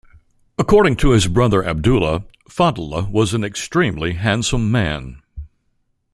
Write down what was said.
According to his brother Abdullah, Fadl was an extremely handsome man.